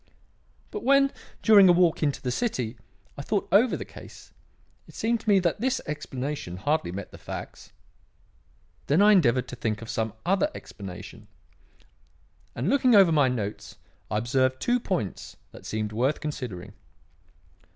But when, during a walk into the City, I thought over the case, it seemed to me that this explanation hardly met the facts. Then I endeavoured to think of some other explanation; and looking over my notes I observed two points that seemed worth considering.